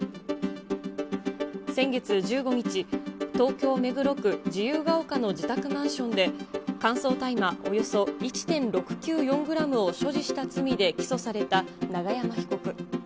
先月１５日、東京・目黒区自由が丘の自宅マンションで、乾燥大麻およそ１．６９４グラムを所持した罪で起訴された永山被告。